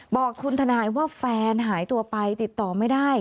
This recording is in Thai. บอกคุณทนายว่าแฟนหายตัวไปติดต่อไม่ได้